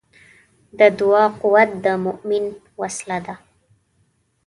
د دعا قوت د مؤمن وسله ده.